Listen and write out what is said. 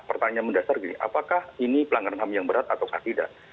pertanyaan mendasar gini apakah ini pelanggaran ham yang berat atau tidak